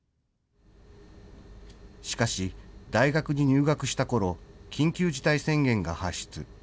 しかし、大学に入学したころ、緊急事態宣言が発出。